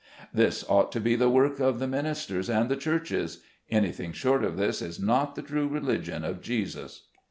This ought to be the work of the ministers and the churches. Anything short of this is not the true religion of Jesus.